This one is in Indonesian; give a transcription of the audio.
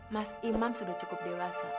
mas imam sudah cukup dewasa